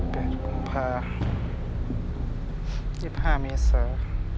๘กุมภาพันธุ์๒๕เมษา